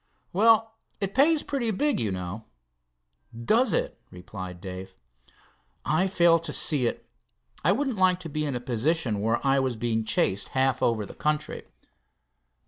"Well, it pays pretty big, you know." "Does it?" replied Dave. "I fail to see it. I wouldn't like to be in a position where I was being chased half over the country."